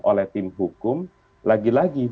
oleh tim hukum lagi lagi